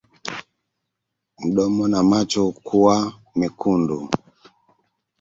Mdomo na macho kuwa mekundu